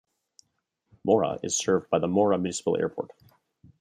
Mora is served by the Mora Municipal Airport.